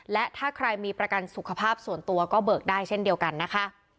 และถ้าใครมีประกันสุขภาพส่วนตัวก็เบิกได้เช่นเดียวกันนะคะ